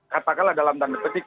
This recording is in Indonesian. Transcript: katakanlah dalam tangga ketik